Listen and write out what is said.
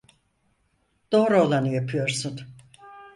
Doğru olanı yapıyorsun.